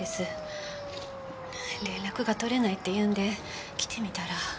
連絡が取れないって言うんで来てみたら。